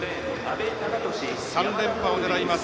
３連覇を狙います。